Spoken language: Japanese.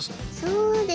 そうですね